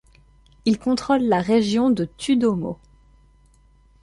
Il contrôle la région de Thu Dau Mot.